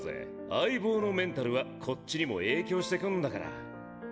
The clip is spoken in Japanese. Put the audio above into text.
相棒のメンタルはこっちにも影響してくんだから。